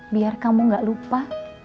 biar kamu gak lupa